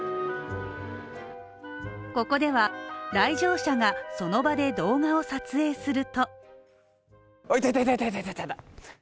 ここでは来場者がその場で動画を撮影するといたいたいたいた！